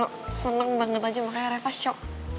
reva cuma senang banget aja makanya reva shock